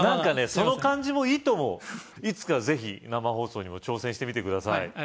その感じもいいと思ういつか是非生放送にも挑戦してみてください